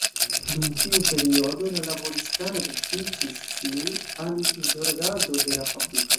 Dum tiu periodo, la laboristaro dediĉis sin al zorgado de la fabriko.